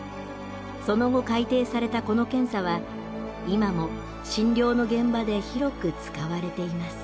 その後改訂されたこの検査は今も診療の現場で広く使われています。